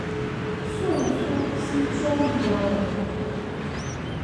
宋初蓟州渔阳人。